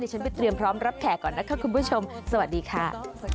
ฉันไปเตรียมพร้อมรับแขกก่อนนะคะคุณผู้ชมสวัสดีค่ะ